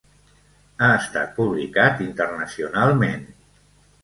Ha estat publicat internacionalment.